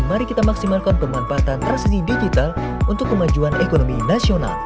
mari kita maksimalkan pemanfaatan transmisi digital untuk kemajuan ekonomi nasional